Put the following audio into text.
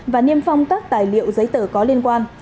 và niêm phong các tài liệu giấy tờ có liên quan